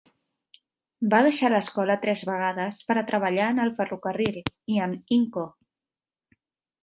Va deixar l'escola tres vegades per a treballar en el ferrocarril, i en Inco.